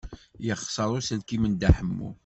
Yexṣer uselkim n Dda Ḥemmu.